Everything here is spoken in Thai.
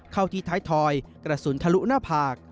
เข้าที่ท้ายทอยกระสุนทะลุหน้าผาก